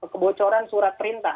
kebocoran surat perintah